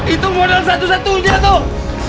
itu modal satu satu dia tuh